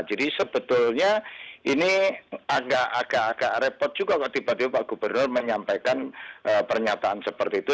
jadi sebetulnya ini agak agak repot juga kalau tiba tiba pak gubernur menyampaikan pernyataan seperti itu